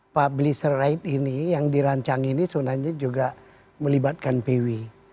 publisher rights ini yang dirancang ini sebenarnya juga melibatkan vw